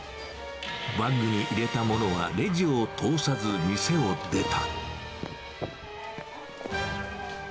バッグに入れたものはレジを通さず店を出た。